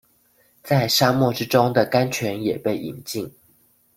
在沙漠之中的甘泉也被飲盡